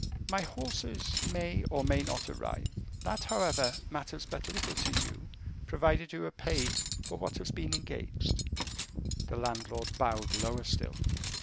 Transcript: "My horses may or may not arrive. That, however, matters but little to you, provided you are paid for what has been engaged." The landlord bowed lower still.